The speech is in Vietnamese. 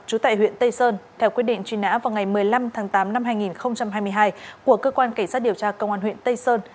trú tại huyện tây sơn theo quyết định truy nã vào ngày một mươi năm tháng tám năm hai nghìn hai mươi hai của cơ quan cảnh sát điều tra công an huyện tây sơn